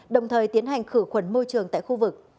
đồng thời tiến hành khử khuẩn môi trường tại khu vực